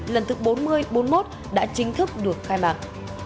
lần thứ bốn mươi bốn mươi một đã chính thức được khai mạc